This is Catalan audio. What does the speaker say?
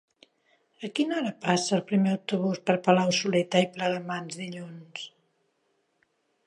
A quina hora passa el primer autobús per Palau-solità i Plegamans dilluns?